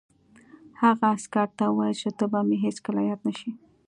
هغه عسکر ته وویل چې ته به مې هېڅکله یاد نه شې